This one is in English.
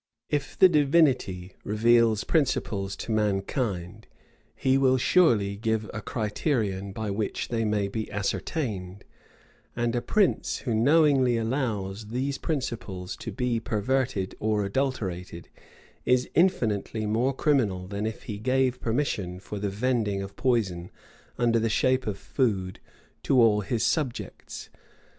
If the Divinity reveals principles to mankind, he will surely give a criterion by which they may be ascertained; and a prince who knowingly allows these principles to be perverted or adulterated, is infinitely more criminal than if he gave permission for the vending of poison, under the shape of food, to all his subjects.